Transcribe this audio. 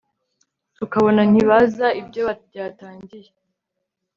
tukabona ntibaza ibyo byatangiye